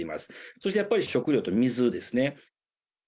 そして、やっぱり食料と水ですね。